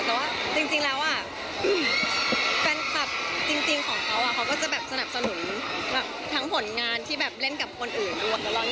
เพราะว่าจริงแล้วแฟนคลับจริงของเขาก็จะแบบสนับสนุนทั้งผลงานที่แบบเล่นกับคนอื่น